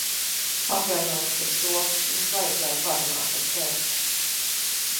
Atvainojos par šo. Mums vajadzēja parunāt ar tevi.